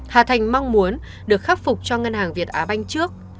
hà thành mong muốn được khắc phục cho ngân hàng việt á banh trước